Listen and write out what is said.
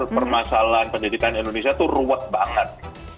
permasalahan pendidikan indonesia itu ruwet banget